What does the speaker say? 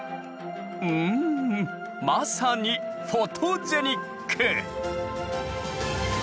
うんまさにフォトジェニック！